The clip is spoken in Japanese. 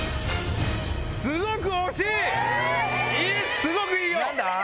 すごくいいよ！